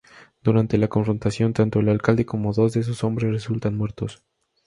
Durante la confrontación, tanto el alcalde como dos de sus hombres resultan muertos.